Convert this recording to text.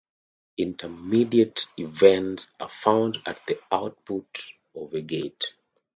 Intermediate events are found at the output of a gate.